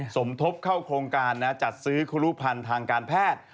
สมทบเข้าโครงการจัดซื้อครูพันธ์ทางการแพทย์